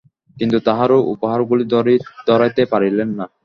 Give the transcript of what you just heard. কিন্তু তাঁহার উপহারগুলি ধরাইতে পারিলেন না।